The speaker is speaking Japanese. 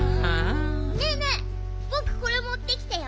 ねえねえぼくこれもってきたよ。